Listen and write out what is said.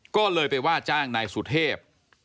ก็เลยไปว่าจ้างนายสุเทพ